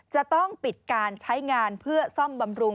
จะต้องปิดการใช้งานเพื่อซ่อมบำรุง